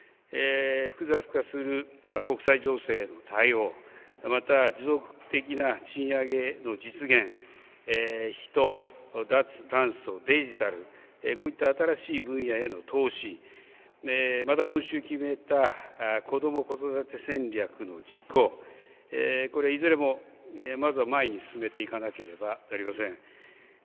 複雑化する国際情勢に対応、または持続的な賃上げの実現、人、脱炭素、デジタル、こういった新しい分野への投資、今週、決めた子ども・子育て戦略の実行、これ、いずれもまずは前に進めていかなければなりません。